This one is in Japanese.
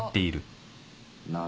なるほど。